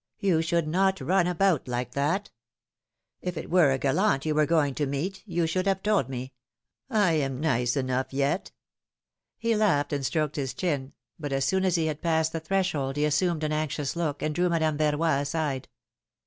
You should not run about like that ! If it were a gallant you were going to meet, you should have told me. I am nice enough yet ! He laughed, and stroked his chin ; but as soon as he had passed the threshold he assumed an anxious look, and drew Madame Verroy aside.